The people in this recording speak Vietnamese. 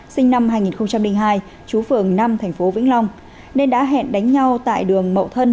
sinh năm hai nghìn hai chú phường năm tp vĩnh long nên đã hẹn đánh nhau tại đường mậu thân